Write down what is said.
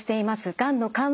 がんの緩和